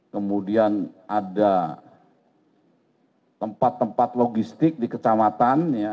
kemudian ada tempat tempat logistik di kecamatan